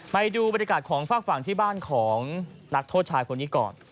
ไปดูบรรยากาศของฝากฝั่งที่บ้านของนักโทษชายคนนี้ก่อน